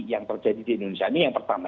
yang terjadi di indonesia ini yang pertama